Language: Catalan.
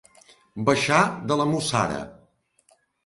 Baixar de la Mussara.